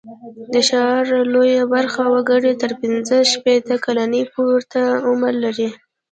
د ښار لویه برخه وګړي تر پینځه شپېته کلنۍ پورته عمر لري.